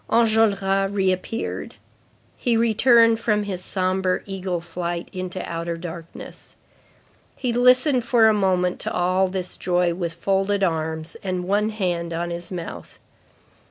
Enjolras reappeared. He returned from his sombre eagle flight into outer darkness. He listened for a moment to all this joy with folded arms, and one hand on his mouth.